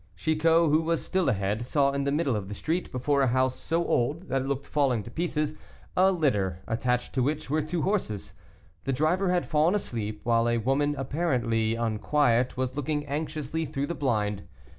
Chicot, who was still ahead, saw in the middle of the street, before a house so old that it looked falling to pieces, a litter, attached to which were two horses. The driver had fallen asleep, while a woman, apparently unquiet, was looking anxiously through the blind.